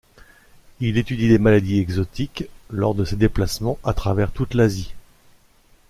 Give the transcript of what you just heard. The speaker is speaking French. Il étudie les maladies exotiques lors de ses déplacements à travers toute l'Asie.